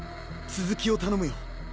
続きを頼むよ。